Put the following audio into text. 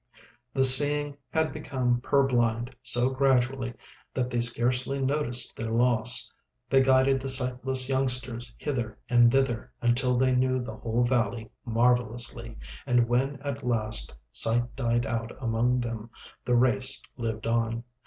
The seeing had become purblind so gradually that they scarcely noticed their loss. They guided the sightless youngsters hither and thither until they knew the whole valley marvellously, and when at last sight died out among them the race lived on.